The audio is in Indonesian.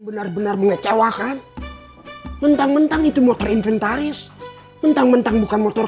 benar benar mengecewakan mentang mentang itu motor inventaris mentang mentang bukan motor